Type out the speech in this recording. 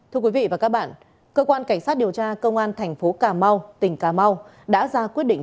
thưa quý vị và các bạn cơ quan cảnh sát điều tra công an thành phố cà mau tỉnh cà mau đã ra quyết định